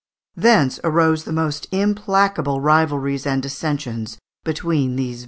Thence arose the most implacable rivalries and dissensions between these various parties.